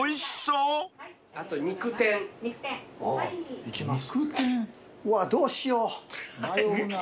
うわどうしよう迷うな。